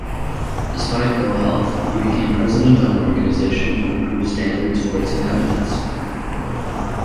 Despite ill-health he became president of an organisation to improve standards for its inhabitants.